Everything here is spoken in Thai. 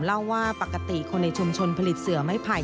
เล่าว่าปกติคนในชุมชนผลิตเสือไม้ไผ่